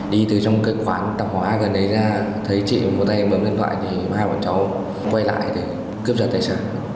đi từ trong cái quán tạp hóa gần đấy ra thấy chị một tay bấm điện thoại thì hai bọn cháu quay lại để cướp trả tài sản